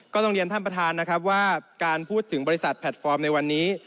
ต้องเรียนท่านประธานนะครับว่าการพูดถึงบริษัทแพลตฟอร์มในวันนี้